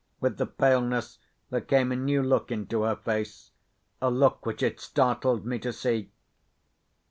With the paleness, there came a new look into her face—a look which it startled me to see.